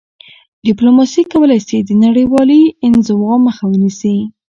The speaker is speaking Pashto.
ډیپلوماسي کولای سي د نړیوالي انزوا مخه ونیسي..